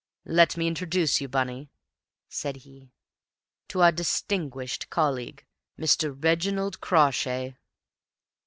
"Let me introduce you, Bunny," said he, "to our distinguished colleague, Mr. Reginald Crawshay."